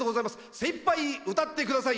精いっぱい歌ってください。